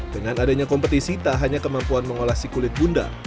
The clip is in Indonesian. dengan adanya kompetisi tak hanya kemampuan mengolah si kulit bunda